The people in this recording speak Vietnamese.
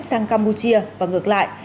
sang campuchia và ngược lại